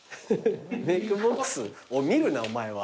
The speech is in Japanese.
見るなお前は。